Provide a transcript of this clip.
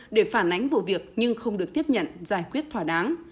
để phản ánh vụ việc nhưng không được tiếp nhận giải quyết thỏa đáng